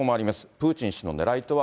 プーチン氏のねらいとは。